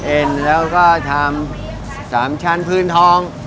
เอ็นแล้วก็ทำ๓ชั้นพื้นท้อง